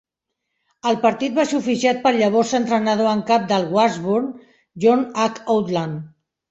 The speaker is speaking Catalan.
El partit va ser oficiat pel llavors entrenador en cap del Washburn, John H. Outland.